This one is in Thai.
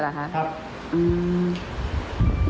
ครับ